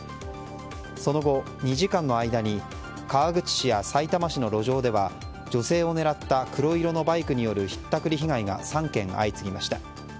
その後、２時間の間に川口市や、さいたま市の路上では女性を狙った黒色のバイクによるひったくり事件が３件相次ぎました。